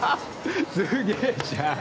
すげえじゃん！